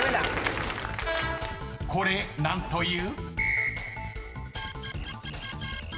［これ何という？］